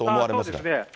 そうですね。